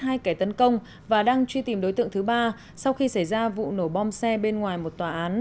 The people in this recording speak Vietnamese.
hai kẻ tấn công và đang truy tìm đối tượng thứ ba sau khi xảy ra vụ nổ bom xe bên ngoài một tòa án